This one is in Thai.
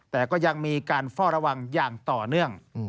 แต่ก็ยังมีการเฝ้าระวังอย่างต่อเนื่อง